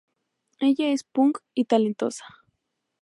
Ella es punk y talentosa.